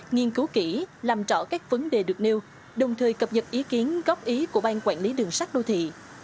nghiên cứu kỹ làm rõ các vấn đề được nêu đồng thời cập nhật ý kiến góp ý của ban quản lý đường sắt đô thị